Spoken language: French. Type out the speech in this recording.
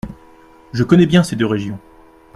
Je connais bien ces deux régions.